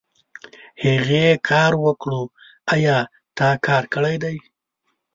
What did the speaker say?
هغې کار وکړو ايا تا کار کړی دی ؟